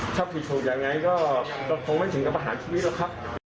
ถ้าผิดถูกยังไงก็คงไม่ถึงกับประหารชีวิตหรอกครับ